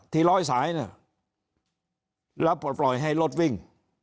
ที่ร้อยสายน่ะแล้วปล่อยปล่อยให้รถวิ่ง